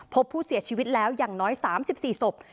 พบผู้เสียชีวิตแล้วอย่างน้อย๓๔ศพ